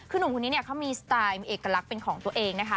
คือหนุ่มคนนี้เนี่ยเขามีสไตล์มีเอกลักษณ์เป็นของตัวเองนะคะ